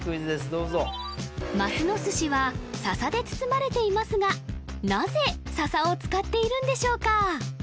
ますのすしは笹で包まれていますがなぜ笹を使っているんでしょうか？